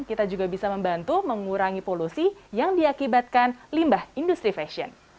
kita juga bisa membantu mengurangi polusi yang diakibatkan limbah industri fashion